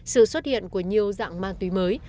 sự xuất hiện của nhiều dạng ma túy mới xuất hiện